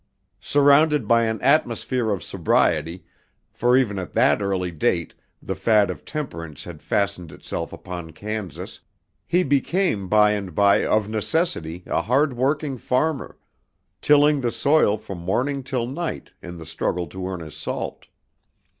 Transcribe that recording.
Surrounded by an atmosphere of sobriety, for even at that early date the fad of temperance had fastened itself upon Kansas, he became by and by of necessity a hard working farmer, tilling the soil from morning till night in the struggle to earn his salt.